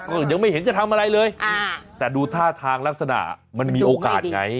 ก็ยังไม่เห็นจะทำอะไรเลยแต่ดูท่าทางลักษณะมันมีโอกาสไง